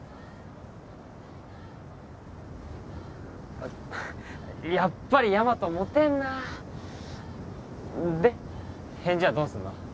あやっぱりヤマトモテんなで返事はどうすんの？